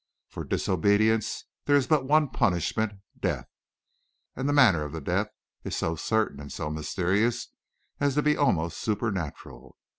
For disobedience, there is but one punishment death. And the manner of the death is so certain and so mysterious as to be almost supernatural.